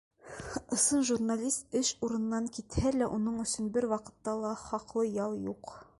Ысын журналист эш урынынан китһә лә, уның өсөн бер ваҡытта ла хаҡлы ял юҡ.